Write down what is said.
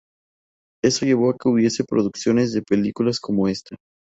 Eso llevó a que hubiese producciones de películas como esta.